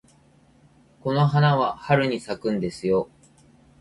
この花は春に咲くんですよ。